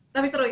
tapi seru ya